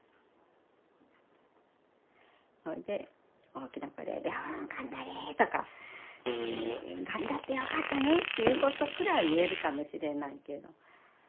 ほんで大きな声で「麗桜頑張れ！」とか「頑張ってよかったね！」っていうことくらい言えるかもしれないけど。